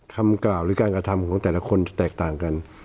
คำกล่าวหรือการกระทำของแต่ละคนจะแตกต่างกัน